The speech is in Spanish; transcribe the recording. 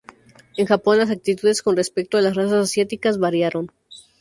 En Japón las actitudes con respecto a las razas asiáticas variaron.